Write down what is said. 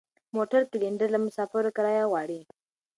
د موټر کلینډر له مسافرو کرایه غواړي.